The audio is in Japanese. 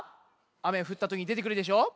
あめがふったときにでてくるでしょ。